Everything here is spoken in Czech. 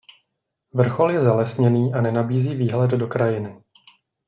Vrchol je zalesněný a nenabízí výhled do krajiny.